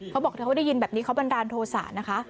เขาบอกเธอเขาได้ยินแบบนี้เขาบันดาลโทษะนะคะ